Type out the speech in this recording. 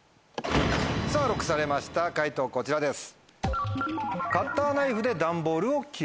さぁＬＯＣＫされました解答こちらです。